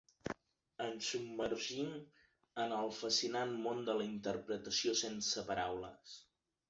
Ens submergim en el fascinant món de la interpretació sense paraules.